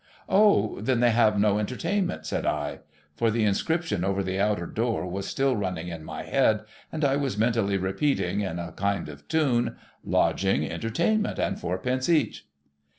' O ! Then they have no Entertainment ?' said L For the inscription over the outer door was still running in my head, and I was mentally repeating, in a kind of tune, ' Lodging, entertainment, and four pence each.'